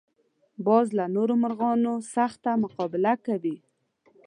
باز له نورو مرغانو سخته مقابله کوي